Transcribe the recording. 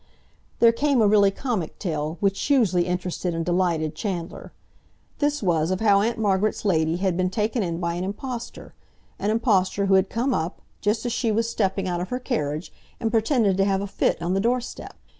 There came a really comic tale, which hugely interested and delighted Chandler. This was of how Aunt Margaret's lady had been taken in by an impostor—an impostor who had come up, just as she was stepping out of her carriage, and pretended to have a fit on the doorstep.